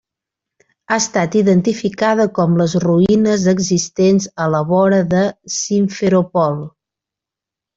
Ha estat identificada com les ruïnes existents a la vora de Simferopol.